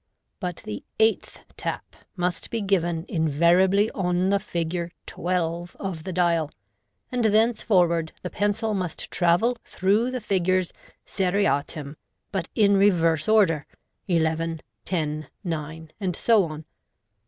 But the eighth tap must be given invariably on the figure twelve" of the dial, and thenceforward the pencil must travel through the figures seriatim, but in reverse order, "eleven," * ten," u nine," and so on.